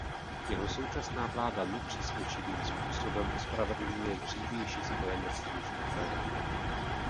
Jeho současná vláda nepřesvědčivým způsobem ospravedlňuje dřívější spojenectví s Hitlerem.